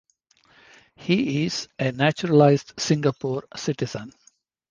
He is a naturalized Singaporean citizen.